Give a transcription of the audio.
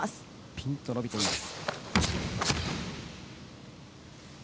ピンと伸びています。